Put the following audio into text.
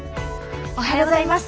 おはようございます。